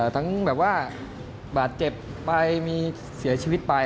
แบบว่าบาดเจ็บไปมีเสียชีวิตไป